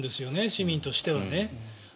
市民としてはね。